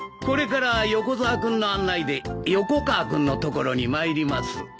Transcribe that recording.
これから横沢君の案内で横川君のところに参ります。